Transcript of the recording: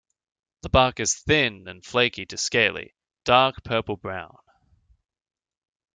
The bark is thin and flaky to scaly, dark purple-brown.